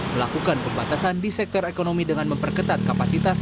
melakukan pembatasan di sektor ekonomi dengan memperketat kapasitas